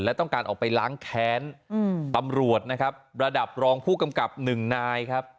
และต้องการออกไปล้างแค้นตำรวจนะครับระดับรองผู้กำกับหนึ่งนายครับ